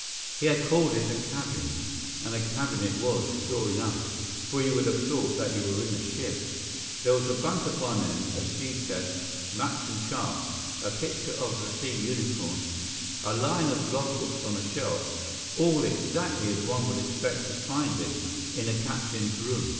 He had called it a cabin, and a cabin it was, sure enough, for you would have thought that you were in a ship. There was a bunk at one end, a sea chest, maps and charts, a picture of the Sea Unicorn, a line of logbooks on a shelf, all exactly as one would expect to find it in a captain's room.